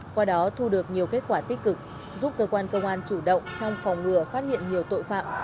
qua đó thu được nhiều kết quả tích cực giúp cơ quan công an chủ động trong phòng ngừa phát hiện nhiều tội phạm